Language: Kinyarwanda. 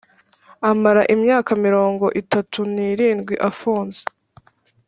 amara imyaka mirongo itatu n irindwi afunze